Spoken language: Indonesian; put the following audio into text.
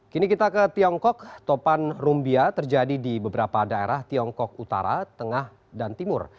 kini kita ke tiongkok topan rumbia terjadi di beberapa daerah tiongkok utara tengah dan timur